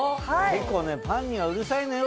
結構ねパンにはうるさいのよ